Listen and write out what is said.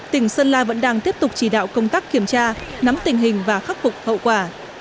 tỉnh sơn la vẫn đang tiếp tục chỉ đạo công tác kiểm tra nắm tình hình và khắc phục hậu quả